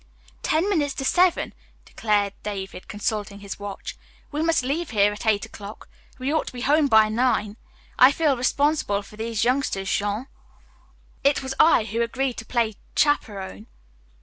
"Ten minutes to seven," declared David, consulting his watch. "We must leave here at eight o'clock. We ought to be home by nine. I feel very responsible for these youngsters, Jean. It was I who agreed to play chaperon."